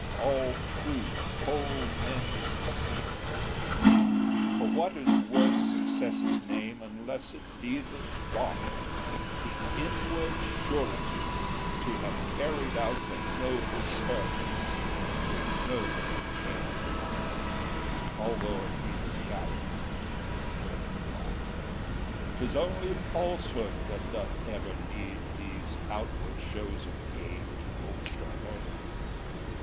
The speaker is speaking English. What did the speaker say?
All true, whole men succeed: for what is worth Success's name, unless it be the thought, The inward surety, to have carried out A noble purpose to a noble end, Although it be the gallows or the block? 'Tis only Falsehood that doth ever need These outward shows of gain to bolster her.